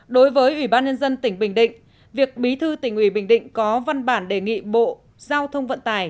đối với ủy ban nhân dân tỉnh bình định việc bí thư tỉnh ủy bình định có văn bản đề nghị bộ giao thông vận tài